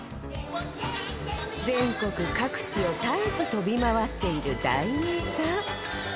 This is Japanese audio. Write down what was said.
全国各地を絶えず飛び回っている団員さん